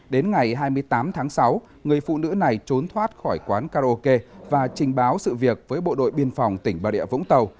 đến ngày hai mươi tám tháng sáu người phụ nữ này trốn thoát khỏi quán karaoke và trình báo sự việc với bộ đội biên phòng tỉnh bà địa vũng tàu